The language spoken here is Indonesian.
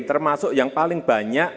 termasuk yang paling banyak